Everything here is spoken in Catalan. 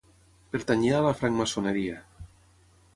Pertanyia a la francmaçoneria.